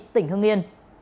tỉnh hương yên